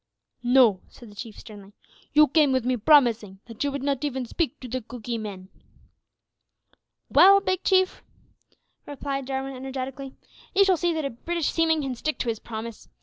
"No," said the Chief sternly. "You came with me promising that you would not even speak to the Cookee men." "Well, Big Chief," replied Jarwin, energetically, "you shall see that a British seaman can stick to his promise.